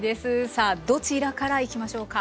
さあどちらからいきましょうか。